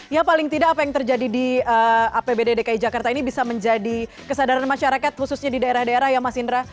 ya paling tidak apa yang terjadi di apbd dki jakarta ini bisa menjadi kesadaran masyarakat khususnya di daerah daerah ya mas indra